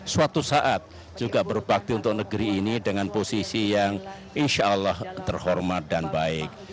suatu saat juga berbakti untuk negeri ini dengan posisi yang insya allah terhormat dan baik